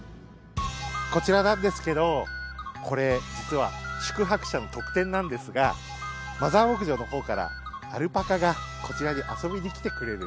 こちらなんですけどこれ、実は宿泊者の特典なんですがマザー牧場のほうからアルパカがこちらに遊びに来てくれる。